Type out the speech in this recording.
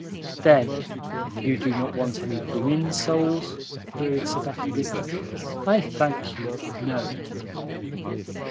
"Then you do not want any WOMEN souls?" queried Sobakevitch. "I thank you, no."